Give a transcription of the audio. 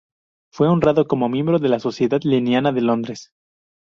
Fue honrado como miembro de la Sociedad linneana de Londres